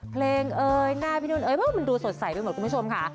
เพลงเอ่ยหน้าพี่นุนเอ่ยเพราะว่ามันดูสดใสไปหมดคุณผู้ชมค่ะ